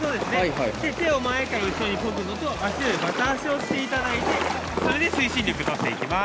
手を前から後ろにこぐのと足でバタ足をしていただいてそれで推進力をとっていきます。